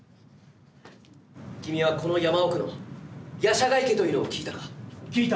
君はこの山奥の夜叉ヶ池というのを聞いたか？